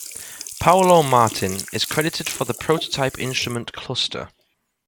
Paolo Martin is credited for the prototype instrument cluster.